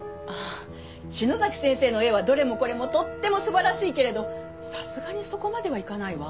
篠崎先生の絵はどれもこれもとってもすばらしいけれどさすがにそこまではいかないわ。